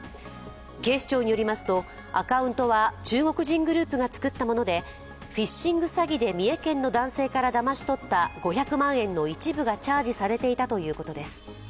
警視庁によりますとアカウントは、中国人グループが作ったものでフィッシング詐欺で三重県の男性からだまし取った５００万円の一部がチャージされていたということです。